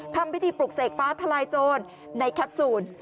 ทำพิธีปลุกเสกฟ้าทลายโจรในแคปซูล